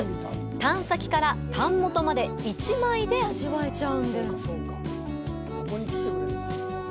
タン先からタン元まで１枚で味わえちゃうんです。